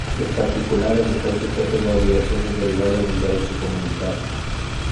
Los particulares están sujetos a obligaciones derivadas del derecho Comunitario.